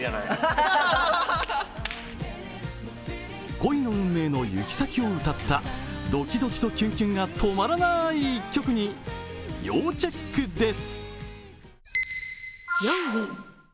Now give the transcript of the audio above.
恋の運命の行き先を歌ったドキドキとキュンキュンが止まらない一曲に要チェックです。